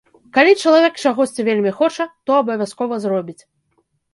Калі чалавек чагосьці вельмі хоча, то абавязкова зробіць.